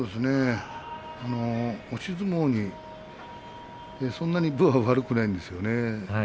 押し相撲にそんなに分は悪くないんですよね。